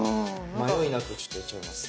迷いなくちょっとやっちゃいます。